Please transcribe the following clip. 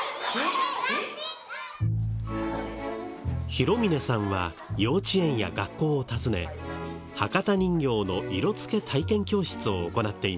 弘峰さんは幼稚園や学校を訪ね博多人形の色付け体験教室を行っています。